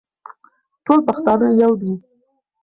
ټول پښتانه يو دي.